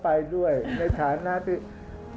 ภาคอีสานแห้งแรง